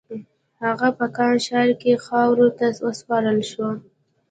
هغه په قم ښار کې خاورو ته وسپارل شو.